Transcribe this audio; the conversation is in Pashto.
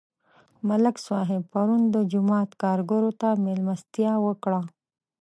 ملک صاحب پرون د جومات کارګرو ته مېلمستیا وکړه.